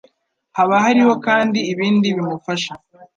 Haba hariho kandi ibindi bimufasha